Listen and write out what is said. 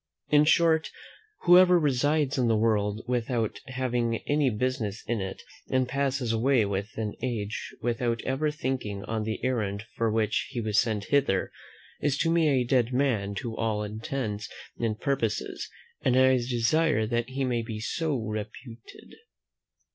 In short, whoever resides in the world without having any business in it, and passes away an age without ever thinking on the errand for which he was sent hither, is to me a dead man to all intents and purposes, and I desire that he may be so reputed.